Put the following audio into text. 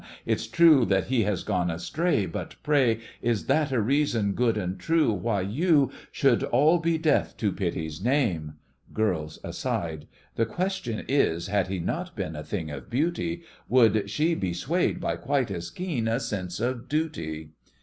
It's true that he has gone astray, But pray Is that a reason good and true Why you Should all be deaf to pity's name? GIRLS: (aside): The question is, had he not been A thing of beauty, Would she be swayed by quite as keen A sense of duty?